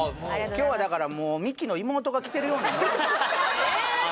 今日はだからもうミキの妹が来てるようなもんあ